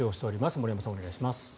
森山さん、お願いします。